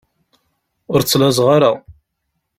Ur ttlaẓeɣ ara.